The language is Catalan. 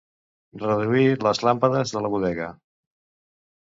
Reduir les làmpades de la bodega.